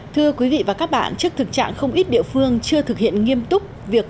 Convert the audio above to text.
thưa quý vị và các bạn trước thực trạng không ít địa phương chưa thực hiện nghiêm túc việc